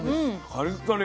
カリカリ。